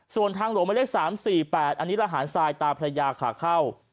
ส่วนทางหลวงหมายเลข๓๔๘อันนี้ระหารทรายตาพระยาขาเข้า